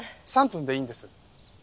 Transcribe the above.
３分でいいんです。